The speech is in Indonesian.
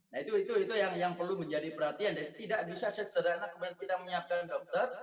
nah itu yang perlu menjadi perhatian dan tidak bisa sesederhana kemudian kita menyiapkan dokter